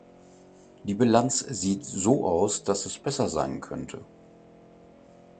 Die Bilanz sieht so aus, dass es besser sein könnte.